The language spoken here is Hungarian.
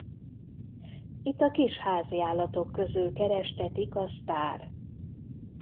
Itt a kis háziállatok közül kerestetik a sztár.